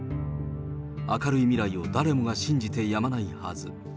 明るい未来を誰もが信じてやまないはず。